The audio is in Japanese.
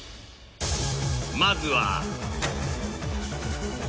まずは